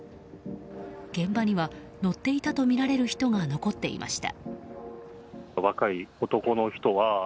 現場には、乗っていたとみられる人が残っていました。